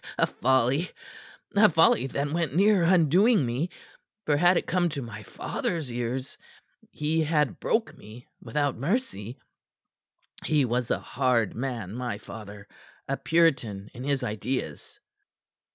"Ay, a folly a folly that went near undoing me, for had it come to my father's ears, he had broke me without mercy. He was a hard man, my father; a puritan in his ideas."